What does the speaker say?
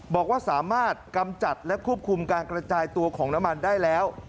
บอกว่าสามารถกำจัดและควบคุมการกระจายตัวของน้ำมันได้แล้ว